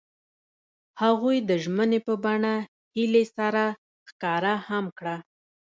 هغوی د ژمنې په بڼه هیلې سره ښکاره هم کړه.